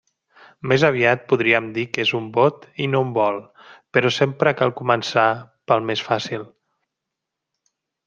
Més aviat podríem dir que és un bot i no un vol, però sempre cal començar pel més fàcil.